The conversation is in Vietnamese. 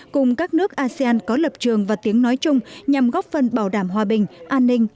cùng các nước asean có lập trường và tiếng nói chung nhằm góp phần bảo đảm hòa bình an ninh